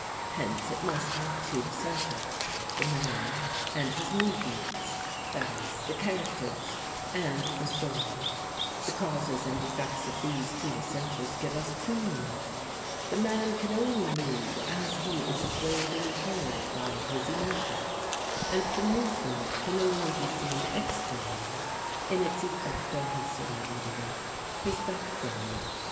Hence it must have two essentials: the man and his movements; that is, the characters and the story. The causes and effects of these two essentials give us two more. The man can only move as he is swayed internally by his emotions; and the movement can only be seen externally in its effect on his surroundings, his background.